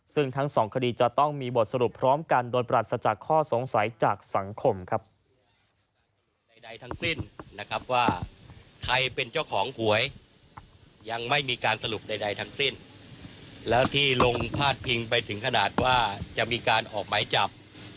ซึ่งทั้งสองคดีจะต้องมีบทสรุปพร้อมกันโดยปรัสจากข้อสงสัยจากสังคมครับ